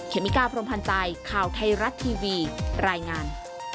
เมกาพรมพันธ์ใจข่าวไทยรัฐทีวีรายงาน